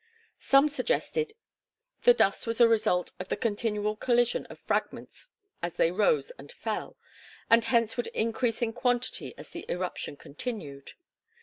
Some suggested the dust was the result of the continual collision of fragments as they rose and fell, and hence would increase in quantity as the eruption continued.